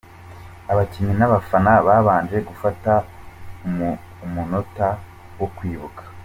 Abakinnyi n’abafana babanje gufata umunota wo kwibuka.